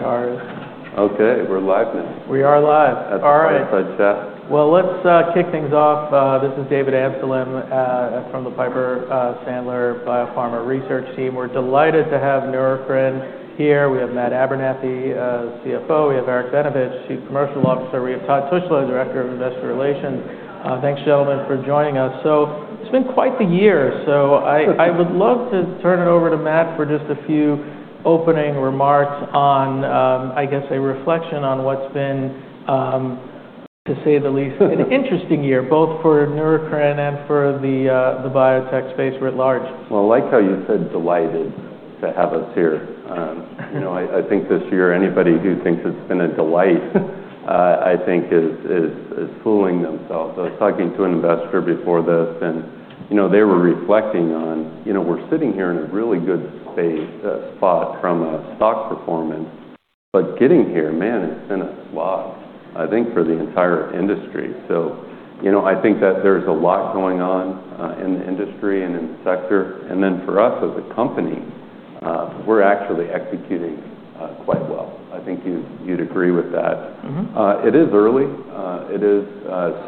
All right. Okay, we're live now. We are live. That's awesome. All right. Outside chat. Let's kick things off. This is David Amsellem from the Piper Sandler Biopharma Research Team. We're delighted to have Neurocrine here. We have Matt Abernethy, CFO. We have Eric Benevich, Chief Commercial Officer. We have Todd Tushla, Director of Investor Relations. Thanks, gentlemen, for joining us. It's been quite the year. I would love to turn it over to Matt for just a few opening remarks on, I guess a reflection on what's been, to say the least, an interesting year, both for Neurocrine and for the biotech space writ large. I like how you said "delighted" to have us here. You know, I think this year anybody who thinks it's been a delight, I think is fooling themselves. I was talking to an investor before this, and, you know, they were reflecting on, you know, we're sitting here in a really good space, spot from a stock performance, but getting here, man, it's been a slog, I think, for the entire industry. You know, I think that there's a lot going on, in the industry and in the sector. For us as a company, we're actually executing quite well. I think you'd agree with that. Mm-hmm. It is early. It is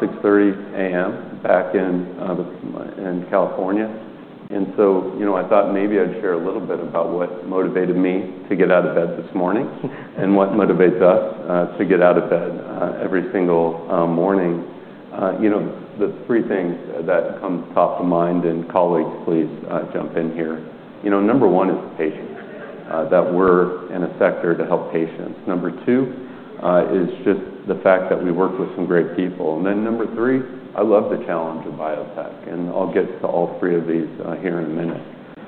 6:30 A.M. back in California. You know, I thought maybe I'd share a little bit about what motivated me to get out of bed this morning and what motivates us to get out of bed every single morning. You know, the three things that come top of mind, and colleagues, please, jump in here. You know, number one is the patients, that we're in a sector to help patients. Number two is just the fact that we work with some great people. Number three, I love the challenge of biotech. I'll get to all three of these here in a minute.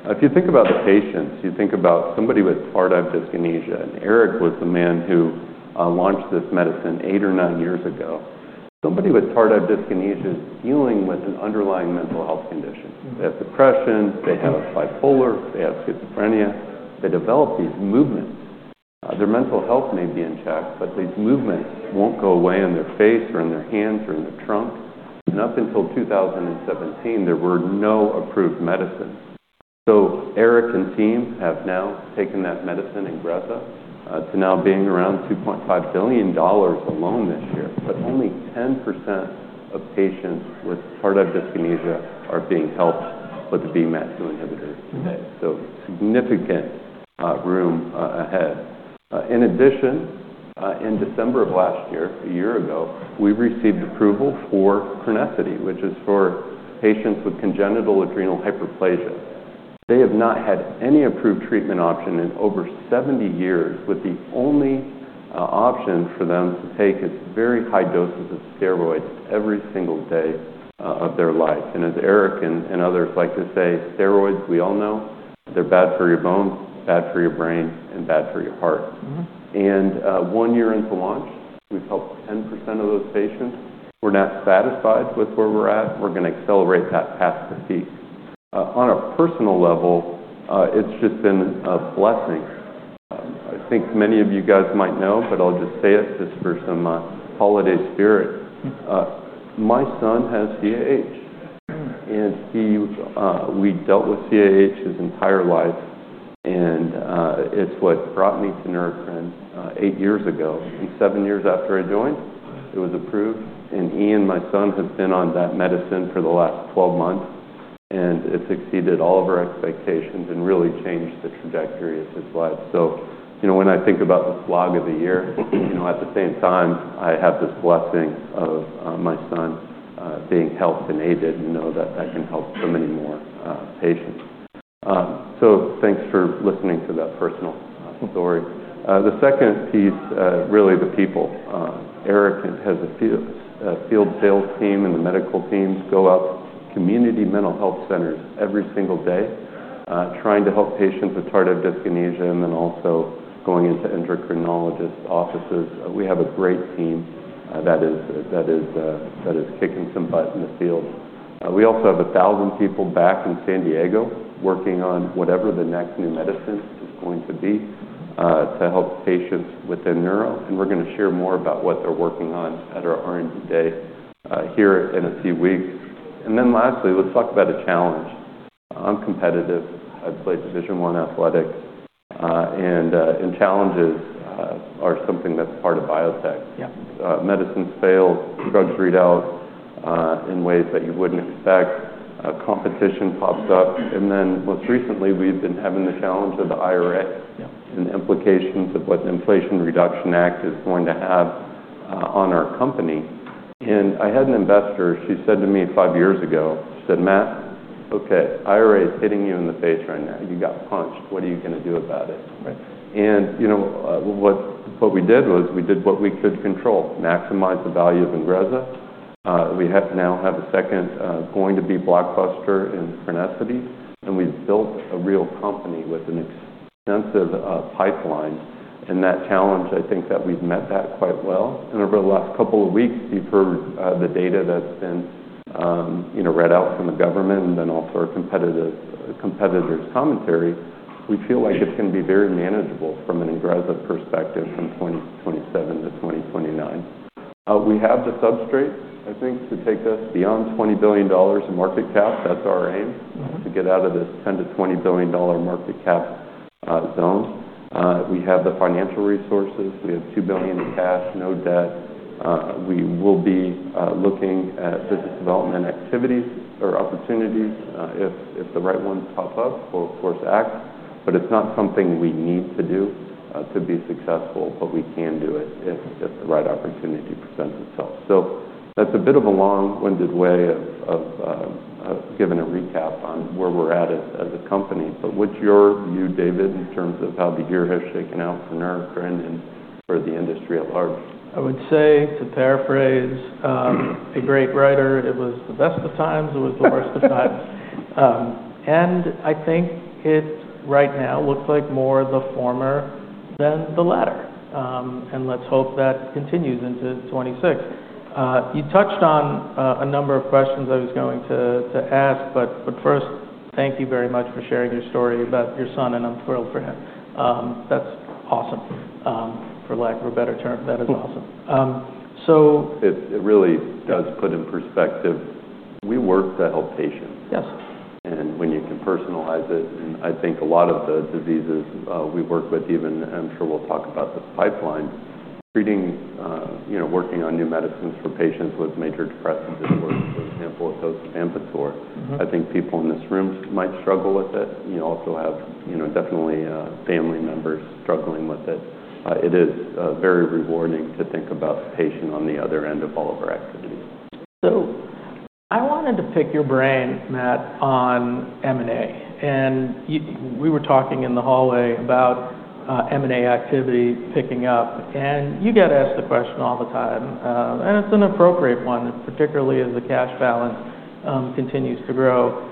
If you think about the patients, you think about somebody with tardive dyskinesia. Eric was the man who launched this medicine eight or nine years ago. Somebody with tardive dyskinesia is dealing with an underlying mental health condition. They have depression. They have bipolar. They have schizophrenia. They develop these movements. Their mental health may be in check, but these movements won't go away in their face or in their hands or in their trunk. Up until 2017, there were no approved medicines. Eric and team have now taken that medicine, Ingrezza, to now being around $2.5 billion alone this year. Only 10% of patients with tardive dyskinesia are being helped with the VMAT2 inhibitors. Okay. Significant room ahead. In addition, in December of last year, a year ago, we received approval for Crinecerfont, which is for patients with congenital adrenal hyperplasia. They have not had any approved treatment option in over 70 years, with the only option for them to take is very high doses of steroids every single day of their life. As Eric and others like to say, "Steroids, we all know. They're bad for your bones, bad for your brain, and bad for your heart. Mm-hmm. One year into launch, we've helped 10% of those patients. We're not satisfied with where we're at. We're gonna accelerate that path to peak. On a personal level, it's just been a blessing. I think many of you guys might know, but I'll just say it just for some, holiday spirit. Mm-hmm. My son has CAH, and he, we dealt with CAH his entire life. It's what brought me to Neurocrine, eight years ago. Seven years after I joined, it was approved. He and my son have been on that medicine for the last 12 months, and it's exceeded all of our expectations and really changed the trajectory of his life. You know, when I think about the slog of the year, at the same time, I have this blessing of my son being healthy and aided, and, you know, that can help so many more patients. Thanks for listening to that personal story. Mm-hmm. The second piece, really the people. Eric has a field sales team, and the medical teams go up community mental health centers every single day, trying to help patients with tardive dyskinesia and then also going into endocrinologist offices. We have a great team, that is, that is kicking some butt in the field. We also have 1,000 people back in San Diego working on whatever the next new medicine is going to be, to help patients within neuro. And we're gonna share more about what they're working on at our R&D day, here in a few weeks. Lastly, let's talk about a challenge. I'm competitive. I play Division I athletics, and challenges are something that's part of biotech. Yeah. Medicines fail, drugs read out, in ways that you wouldn't expect. Competition pops up. Most recently, we've been having the challenge of the IRA. Yeah. The implications of what the Inflation Reduction Act is going to have on our company. I had an investor. She said to me five years ago, she said, "Matt, okay, IRA is hitting you in the face right now. You got punched. What are you gonna do about it? Right. You know, what we did was we did what we could control, maximize the value of Ingrezza. We now have a second, going to be blockbuster in Crinecerfont. We have built a real company with an extensive pipeline. That challenge, I think that we've met that quite well. Over the last couple of weeks, you've heard the data that's been read out from the government and then also our competitors' commentary. We feel like it's gonna be very manageable from an Ingrezza perspective from 2027 to 2029. We have the substrate, I think, to take this beyond $20 billion in market cap. That's our aim. Mm-hmm. To get out of this $10-$20 billion market cap zone. We have the financial resources. We have $2 billion in cash, no debt. We will be looking at business development activities or opportunities, if the right ones pop up. We'll, of course, act. It is not something we need to do to be successful, but we can do it if the right opportunity presents itself. That is a bit of a long-winded way of giving a recap on where we are at as a company. What is your view, David, in terms of how the year has shaken out for Neurocrine and for the industry at large? I would say, to paraphrase a great writer, it was the best of times. It was the worst of times. I think it right now looks like more the former than the latter. Let's hope that continues into 2026. You touched on a number of questions I was going to ask, but first, thank you very much for sharing your story about your son, and I'm thrilled for him. That's awesome, for lack of a better term. That is awesome. It really does put in perspective. We work to help patients. Yes. When you can personalize it, and I think a lot of the diseases we've worked with, even, I'm sure we'll talk about the pipeline, treating, you know, working on new medicines for patients with major depressive disorders, for example, a dose of Osavampator. Mm-hmm. I think people in this room might struggle with it. You also have, you know, definitely, family members struggling with it. It is very rewarding to think about the patient on the other end of all of our activities. I wanted to pick your brain, Matt, on M&A. We were talking in the hallway about M&A activity picking up. You get asked the question all the time, and it's an appropriate one, particularly as the cash balance continues to grow.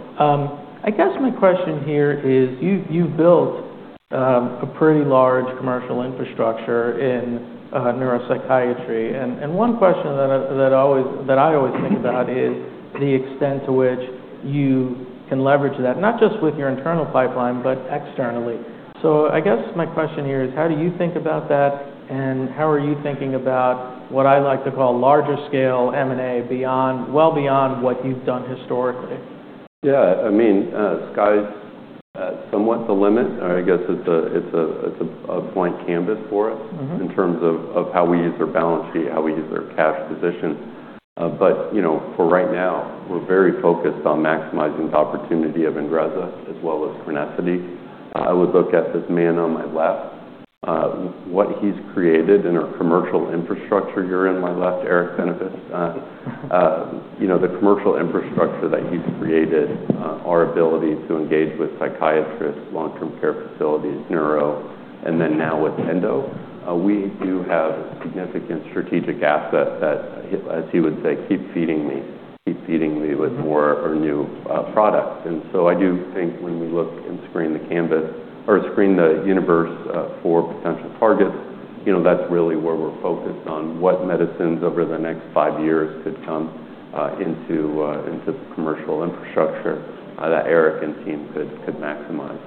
I guess my question here is, you've built a pretty large commercial infrastructure in neuropsychiatry. One question that I always think about is the extent to which you can leverage that, not just with your internal pipeline, but externally. I guess my question here is, how do you think about that, and how are you thinking about what I like to call larger scale M&A well beyond what you've done historically? Yeah. I mean, sky's somewhat the limit, or I guess it's a blank canvas for us. Mm-hmm. In terms of how we use our balance sheet, how we use our cash position, you know, for right now, we're very focused on maximizing the opportunity of Ingrezza as well as Crinecerfont. I would look at this man on my left, what he's created in our commercial infrastructure. You're on my left, Eric Benevich. You know, the commercial infrastructure that he's created, our ability to engage with psychiatrists, long-term care facilities, neuro, and then now with Endo, we do have a significant strategic asset that, as he would say, "Keep feeding me. Keep feeding me with more or new, products. I do think when we look and screen the canvas or screen the universe for potential targets, you know, that's really where we're focused on what medicines over the next five years could come into the commercial infrastructure that Eric and team could maximize.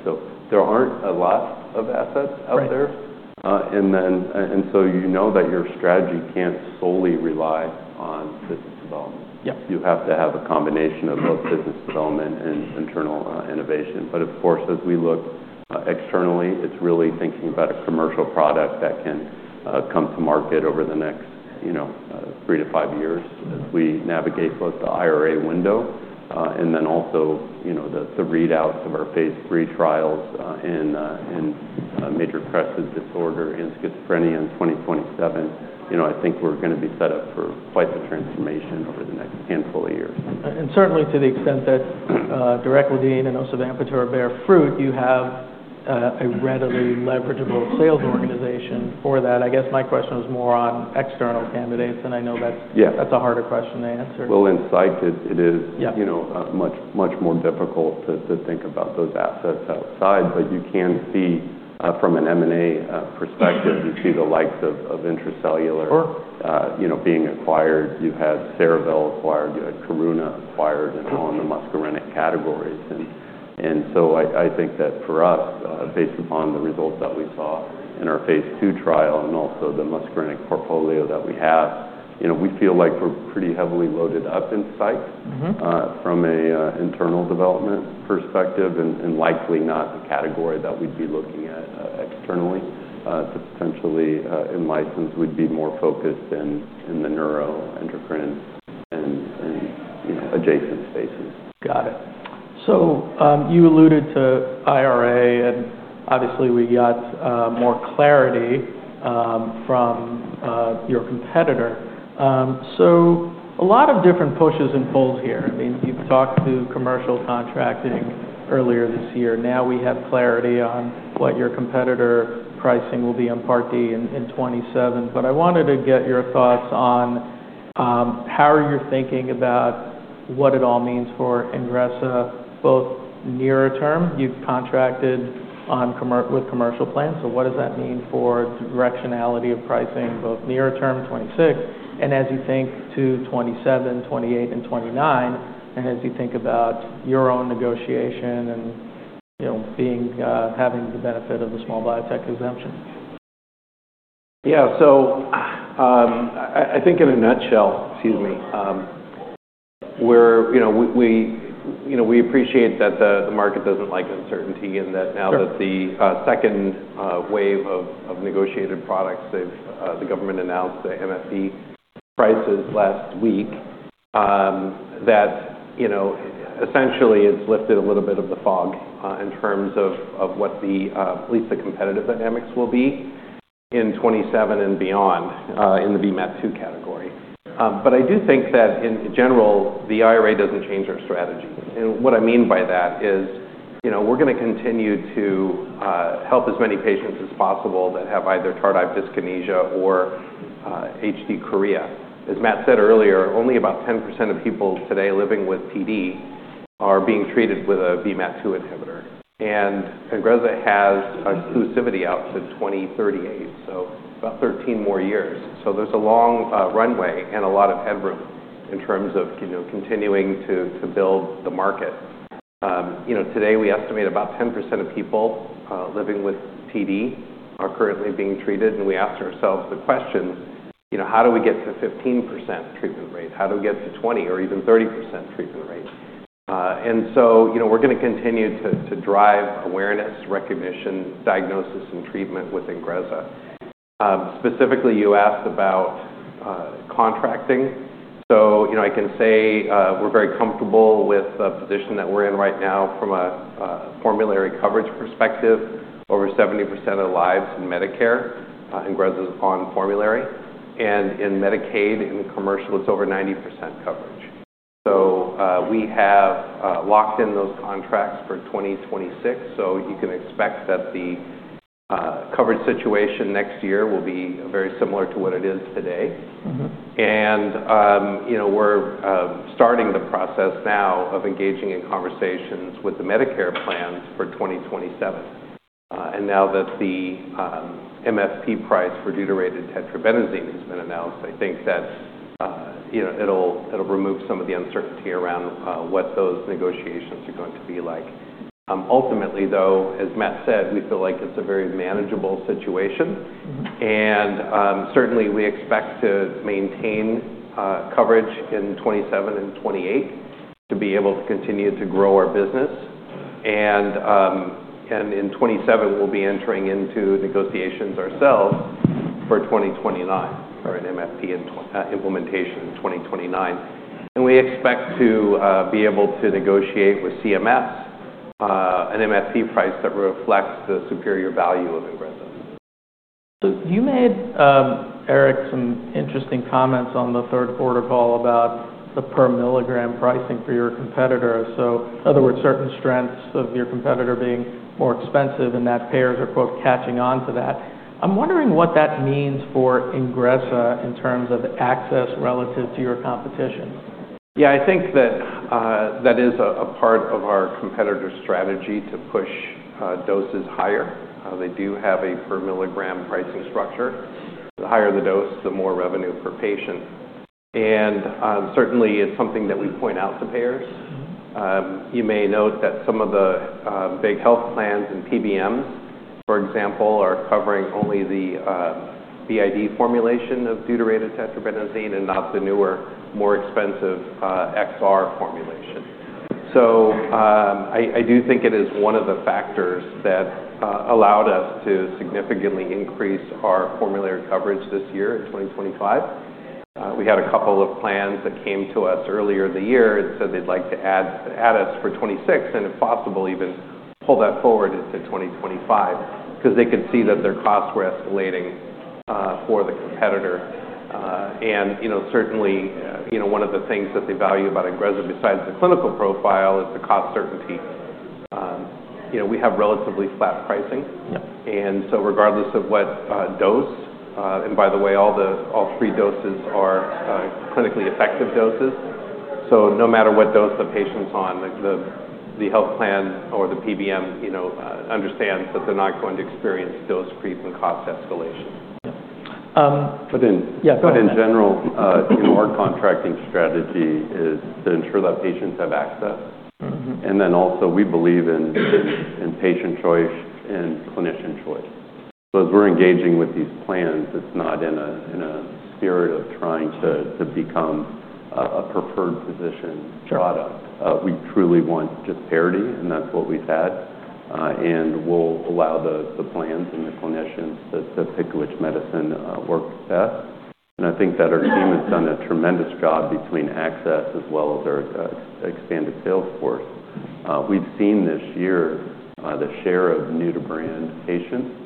There aren't a lot of assets out there. Right. and so you know that your strategy can't solely rely on business development. Yep. You have to have a combination of both business development and internal, innovation. Of course, as we look externally, it's really thinking about a commercial product that can come to market over the next, you know, three to five years as we navigate both the IRA window, and then also, you know, the readouts of our phase three trials in, in, major depressive disorder and schizophrenia in 2027. You know, I think we're gonna be set up for quite the transformation over the next handful of years. Certainly to the extent that, directly, Dean and also the Ambitor bear fruit, you have a readily leverageable sales organization for that. I guess my question was more on external candidates, and I know that's. Yeah. That's a harder question to answer. In psych, it is. Yeah. You know, much, much more difficult to think about those assets outside. But you can see, from an M&A perspective. Yeah. You see the likes of, of Intra-Cellular. Sure. you know, being acquired. You had Cerevel acquired. You had Karuna acquired. Mm-hmm. All in the muscarinic categories. I think that for us, based upon the results that we saw in our phase two trial and also the muscarinic portfolio that we have, you know, we feel like we're pretty heavily loaded up in psych. Mm-hmm. from a internal development perspective and likely not a category that we'd be looking at externally to potentially in license, we'd be more focused in the neuro, endocrine, and, you know, adjacent spaces. Got it. You alluded to IRA, and obviously we got more clarity from your competitor. A lot of different pushes and pulls here. I mean, you've talked to commercial contracting earlier this year. Now we have clarity on what your competitor pricing will be in Part D in 2027. I wanted to get your thoughts on how are you thinking about what it all means for Ingrezza, both nearer term? You've contracted with commercial plans. What does that mean for directionality of pricing, both nearer term, 2026, and as you think to 2027, 2028, and 2029, and as you think about your own negotiation and, you know, being, having the benefit of the small biotech exemption? Yeah. I think in a nutshell, excuse me, we, you know, we appreciate that the market doesn't like uncertainty and that now that the second wave of negotiated products, they've, the government announced the MFP prices last week, that, you know, essentially it's lifted a little bit of the fog in terms of what the, at least the competitive dynamics will be in 2027 and beyond, in the VMAT2 category. I do think that in general, the IRA doesn't change our strategy. What I mean by that is, you know, we're gonna continue to help as many patients as possible that have either tardive dyskinesia or HD chorea. As Matt said earlier, only about 10% of people today living with TD are being treated with a VMAT2 inhibitor. Ingrezza has exclusivity out to 2038, so about 13 more years. There is a long runway and a lot of headroom in terms of, you know, continuing to build the market. You know, today we estimate about 10% of people living with TD are currently being treated. We asked ourselves the question, you know, how do we get to 15% treatment rate? How do we get to 20% or even 30% treatment rate? You know, we are going to continue to drive awareness, recognition, diagnosis, and treatment with Ingrezza. Specifically, you asked about contracting. I can say we are very comfortable with the position that we are in right now from a formulary coverage perspective. Over 70% of lives in Medicare, Ingrezza is on formulary. In Medicaid and commercial, it is over 90% coverage. We have locked in those contracts for 2026. You can expect that the coverage situation next year will be very similar to what it is today. Mm-hmm. You know, we're starting the process now of engaging in conversations with the Medicare plans for 2027. Now that the MFP price for deuterated tetrabenazine has been announced, I think that, you know, it'll remove some of the uncertainty around what those negotiations are going to be like. Ultimately, though, as Matt said, we feel like it's a very manageable situation. Mm-hmm. We expect to maintain coverage in 2027 and 2028 to be able to continue to grow our business. In 2027, we'll be entering into negotiations ourselves for 2029 or an MFP implementation in 2029. We expect to be able to negotiate with CMS an MFP price that reflects the superior value of Ingrezza. You made, Eric, some interesting comments on the third quarter call about the per milligram pricing for your competitor. In other words, certain strengths of your competitor being more expensive and that payers are, quote, "catching on to that." I'm wondering what that means for Ingrezza in terms of access relative to your competition. Yeah. I think that is a part of our competitor strategy to push doses higher. They do have a per milligram pricing structure. The higher the dose, the more revenue per patient. It is certainly something that we point out to payers. Mm-hmm. You may note that some of the big health plans and PBMs, for example, are covering only the BID formulation of deuterated tetrabenazine and not the newer, more expensive XR formulation. I do think it is one of the factors that allowed us to significantly increase our formulary coverage this year in 2025. We had a couple of plans that came to us earlier in the year and said they'd like to add us for 2026 and, if possible, even pull that forward into 2025 because they could see that their costs were escalating for the competitor. You know, certainly, one of the things that they value about Ingrezza, besides the clinical profile, is the cost certainty. You know, we have relatively flat pricing. Yep. Regardless of what dose, and by the way, all three doses are clinically effective doses. No matter what dose the patient's on, the health plan or the PBM, you know, understands that they're not going to experience dose freeze and cost escalation. Yep. But in. Yeah. Go ahead. In general, you know, our contracting strategy is to ensure that patients have access. Mm-hmm. We believe in patient choice and clinician choice. As we're engaging with these plans, it's not in a spirit of trying to become a preferred physician. Sure. Product. We truly want just parity, and that's what we've had. We'll allow the plans and the clinicians to pick which medicine works best. I think that our team has done a tremendous job between access as well as our expanded sales force. We've seen this year the share of new-to-brand patients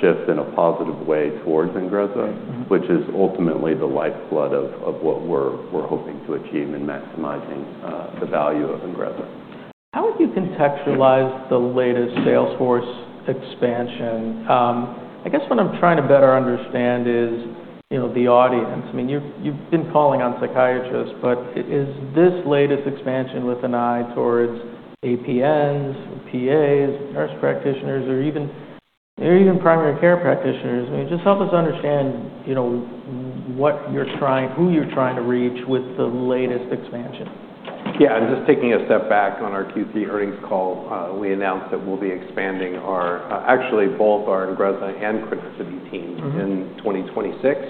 shift in a positive way towards Ingrezza. Mm-hmm. Which is ultimately the lifeblood of what we're hoping to achieve in maximizing the value of Ingrezza. How would you contextualize the latest sales force expansion? I guess what I'm trying to better understand is, you know, the audience. I mean, you've, you've been calling on psychiatrists, but is this latest expansion with an eye towards APPs, PAs, nurse practitioners, or even, or even primary care practitioners? I mean, just help us understand, you know, what you're trying who you're trying to reach with the latest expansion. Yeah. Just taking a step back, on our Q3 earnings call, we announced that we'll be expanding our, actually both our Ingrezza and Crinecerfont teams. Mm-hmm. In 2026.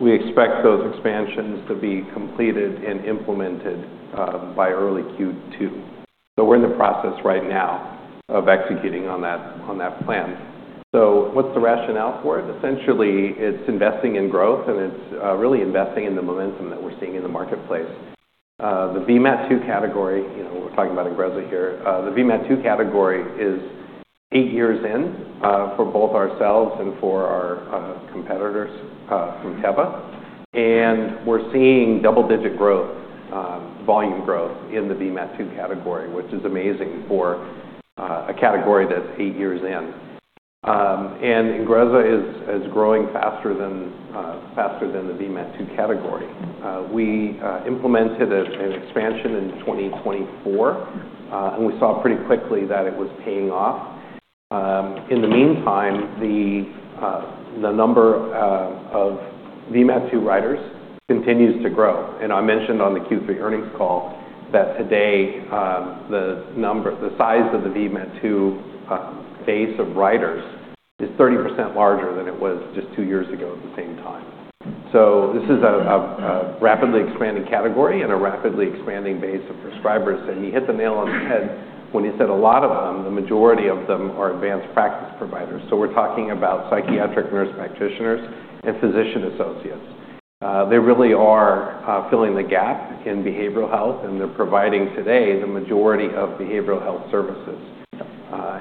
We expect those expansions to be completed and implemented, by early Q2. We are in the process right now of executing on that plan. What's the rationale for it? Essentially, it's investing in growth, and it's really investing in the momentum that we're seeing in the marketplace. The VMAT2 category, you know, we're talking about Ingrezza here. The VMAT2 category is eight years in, for both ourselves and for our competitors, from Teva. We're seeing double-digit growth, volume growth in the VMAT2 category, which is amazing for a category that's eight years in. Ingrezza is growing faster than the VMAT2 category. We implemented an expansion in 2024, and we saw pretty quickly that it was paying off. In the meantime, the number of VMAT2 writers continues to grow. I mentioned on the Q3 earnings call that today, the number, the size of the VMAT2 base of prescribers is 30% larger than it was just two years ago at the same time. This is a rapidly expanding category and a rapidly expanding base of prescribers. You hit the nail on the head when you said a lot of them, the majority of them are advanced practice providers. We're talking about psychiatric nurse practitioners and physician associates. They really are filling the gap in behavioral health, and they're providing today the majority of behavioral health services.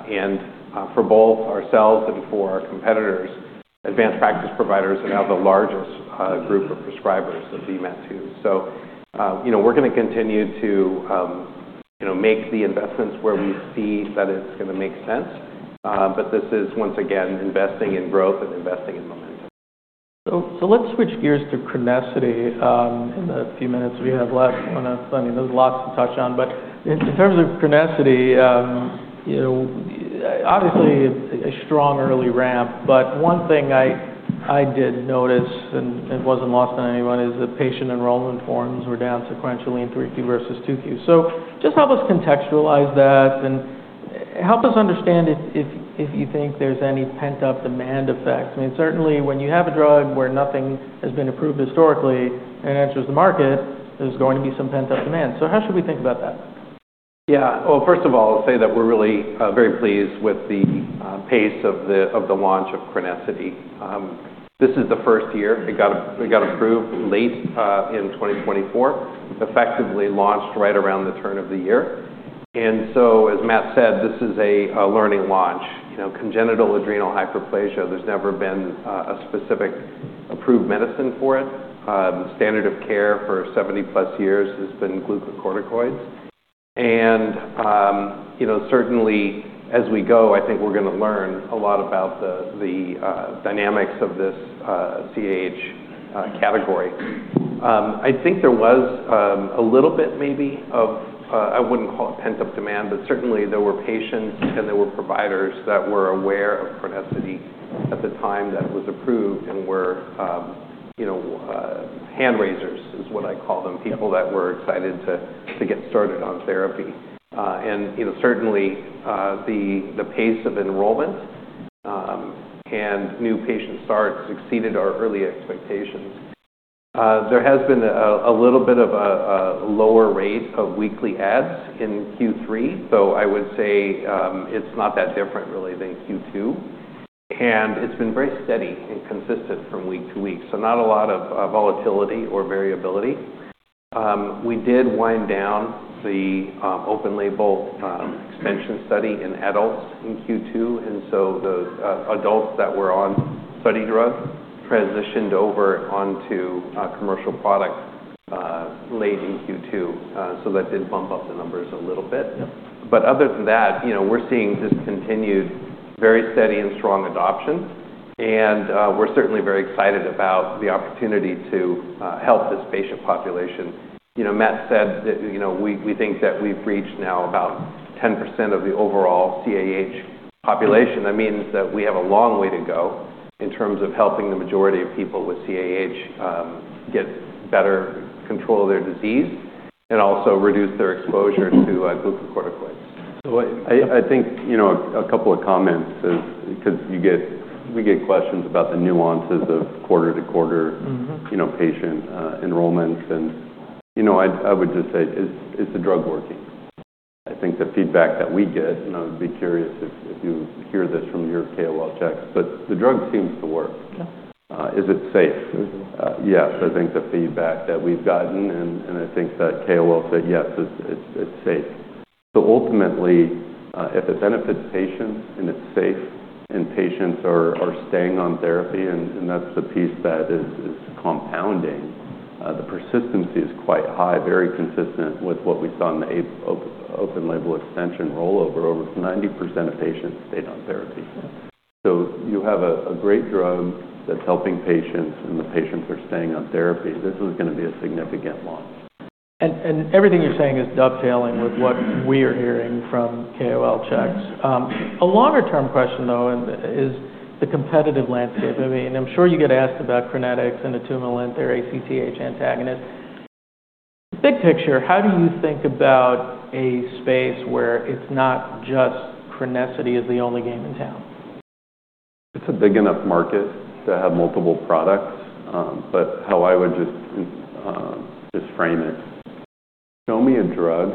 Yep. For both ourselves and for our competitors, advanced practice providers are now the largest group of prescribers of VMAT2. You know, we're gonna continue to, you know, make the investments where we see that it's gonna make sense. This is, once again, investing in growth and investing in momentum. Let's switch gears to Crinecerfont. In the few minutes we have left, I mean, there's lots to touch on. In terms of Crinecerfont, you know, obviously a strong early ramp. One thing I did notice and wasn't lost on anyone is that patient enrollment forms were down sequentially in 3Q versus 2Q. Just help us contextualize that and help us understand if you think there's any pent-up demand effects. I mean, certainly when you have a drug where nothing has been approved historically and enters the market, there's going to be some pent-up demand. How should we think about that? Yeah. First of all, I'll say that we're really very pleased with the pace of the launch of Crinecerfont. This is the first year. It got approved late in 2024, effectively launched right around the turn of the year. As Matt said, this is a learning launch. You know, congenital adrenal hyperplasia, there's never been a specific approved medicine for it. Standard of care for 70-plus years has been glucocorticoids. You know, certainly as we go, I think we're gonna learn a lot about the dynamics of this CAH category. I think there was, a little bit maybe of, I wouldn't call it pent-up demand, but certainly there were patients and there were providers that were aware of Crinecerfont at the time that it was approved and were, you know, hand raisers is what I call them, people that were excited to, to get started on therapy. You know, certainly, the pace of enrollment, and new patient starts exceeded our early expectations. There has been a little bit of a lower rate of weekly adds in Q3. I would say, it's not that different really than Q2. It's been very steady and consistent from week to week. Not a lot of volatility or variability. We did wind down the open-label extension study in adults in Q2. The adults that were on study drug transitioned over onto commercial products late in Q2. That did bump up the numbers a little bit. Yep. Other than that, you know, we're seeing just continued very steady and strong adoption. We're certainly very excited about the opportunity to help this patient population. You know, Matt said that, you know, we think that we've reached now about 10% of the overall CAH population. That means that we have a long way to go in terms of helping the majority of people with CAH get better control of their disease and also reduce their exposure to glucocorticoids. I think, you know, a couple of comments is because you get, we get questions about the nuances of quarter-to-quarter. Mm-hmm. You know, patient enrollments. You know, I would just say, is the drug working? I think the feedback that we get, and I would be curious if you hear this from your KOL checks, but the drug seems to work. Yep. Is it safe? Mm-hmm. Yes. I think the feedback that we've gotten, and I think that KOL said yes, it's safe. Ultimately, if it benefits patients and it's safe and patients are staying on therapy, that's the piece that is compounding. The persistency is quite high, very consistent with what we saw in the open-label extension rollover. Over 90% of patients stayed on therapy. Yep. You have a great drug that's helping patients and the patients are staying on therapy. This is gonna be a significant launch. Everything you're saying is dovetailing with what we are hearing from KOL checks. A longer-term question, though, is the competitive landscape. I mean, I'm sure you get asked about Crinecerfont and a tumor lent or ACTH antagonist. Big picture, how do you think about a space where it's not just Crinecerfont is the only game in town? It's a big enough market to have multiple products. How I would just frame it, show me a drug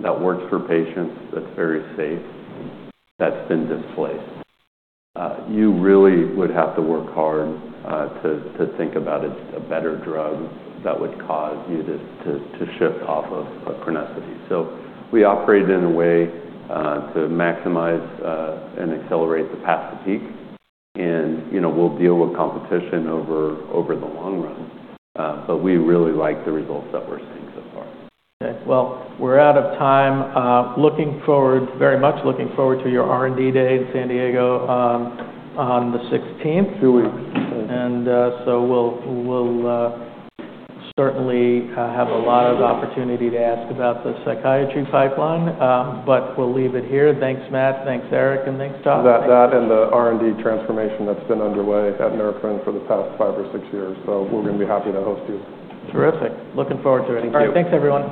that works for patients that's very safe, that's been displaced. You really would have to work hard to think about a better drug that would cause you to shift off of Crinecerfont. We operate in a way to maximize and accelerate the path to peak. You know, we'll deal with competition over the long run. We really like the results that we're seeing so far. Okay. We are out of time. Looking forward, very much looking forward to your R&D day in San Diego, on the 16th. Two weeks. We'll certainly have a lot of opportunity to ask about the psychiatry pipeline, but we'll leave it here. Thanks, Matt. Thanks, Eric, and thanks, Todd. That and the R&D transformation that's been underway at Neurocrine for the past five or six years. We're gonna be happy to host you. Terrific. Looking forward to it. Thank you. All right. Thanks, everyone.